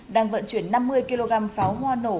đang vận chuyển năm mươi kg pháo hoa nổ